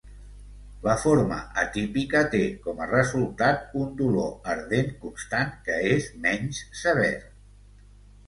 La forma atípica té com a resultat un dolor ardent constant que és menys sever.